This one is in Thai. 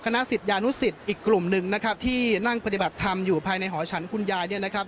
ศิษยานุสิตอีกกลุ่มหนึ่งนะครับที่นั่งปฏิบัติธรรมอยู่ภายในหอฉันคุณยายเนี่ยนะครับ